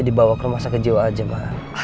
dia dibawa ke rumah sakit jiwa aja ma